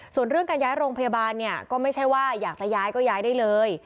ส่วนเรื่องการย้ายโรงพยาบาลเนี่ยก็ไม่ใช่ว่าอยากจะย้ายก็ย้ายได้เลย